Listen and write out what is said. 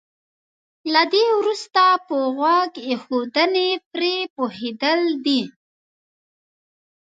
له دې وروسته په غوږ ايښودنې پرې پوهېدل دي.